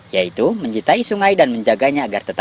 yaitu mencintai sungai dan menjaganya agar tetap